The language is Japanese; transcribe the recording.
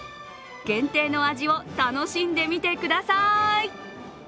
限定の味を楽しんでみてください。